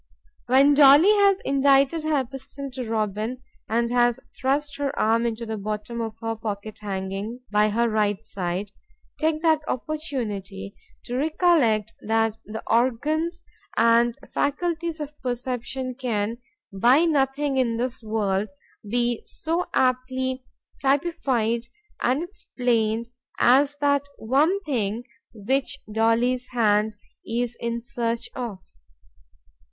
_——When Dolly has indited her epistle to Robin, and has thrust her arm into the bottom of her pocket hanging by her right side;—take that opportunity to recollect that the organs and faculties of perception can, by nothing in this world, be so aptly typified and explained as by that one thing which Dolly's hand is in search of.